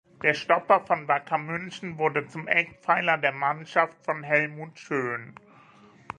Der Stopper von Wacker München wurde zum Eckpfeiler der Mannschaft von Helmut Schön.